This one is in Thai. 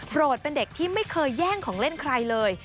เป็นเด็กที่ไม่เคยแย่งของเล่นใครเลย